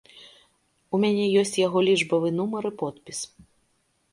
У мяне ёсць яго лічбавы нумар і подпіс.